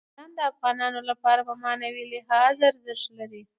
بادام د افغانانو لپاره په معنوي لحاظ ارزښت لري.